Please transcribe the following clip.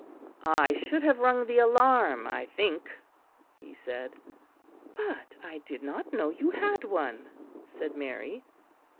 "I should have rung the alarm, I think," he said. "But I did not know you had one," said Mary. Mr.